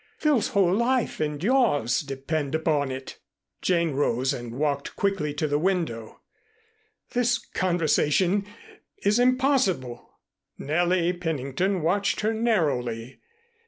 Phil's whole life and yours depend upon it." Jane rose and walked quickly to the window. "This conversation is impossible." Nellie Pennington watched her narrowly.